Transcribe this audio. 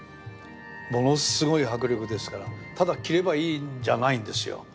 ものすごい迫力ですからただ着ればいいんじゃないんですよ。